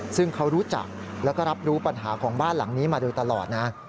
ซึ่งเขารู้จักแล้วก็รับรู้ปัญหาของบ้านหลังนี้มาโดยตลอดนะ